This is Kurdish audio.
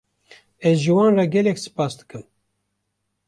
Ez ji wan re gelek spas dikim.